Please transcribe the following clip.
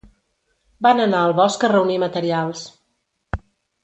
Van anar al bosc a reunir materials.